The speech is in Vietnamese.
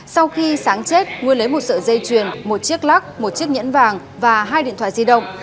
sau khi sáng chết nguyên lấy một sợi dây chuyền một chiếc lắc một chiếc nhẫn vàng và hai điện thoại di động